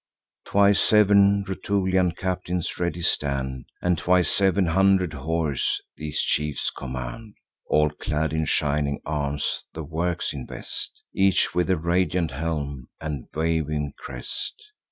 Twice seven Rutulian captains ready stand, And twice seven hundred horse these chiefs command; All clad in shining arms the works invest, Each with a radiant helm and waving crest.